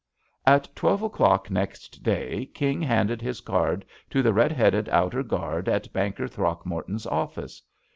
At twelve o'clock next day King handed his card to the red headed outer guard at Banker Throckmorton's office.